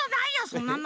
そんなの！